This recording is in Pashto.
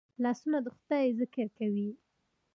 لاسونه د خدای ذکر کوي